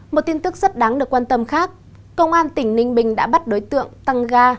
một tin tức rất đáng được quan tâm khác công an tỉnh ninh bình đã bắt đối tượng tăng ga